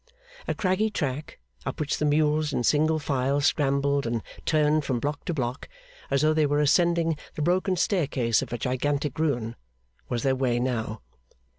A craggy track, up which the mules in single file scrambled and turned from block to block, as though they were ascending the broken staircase of a gigantic ruin, was their way now.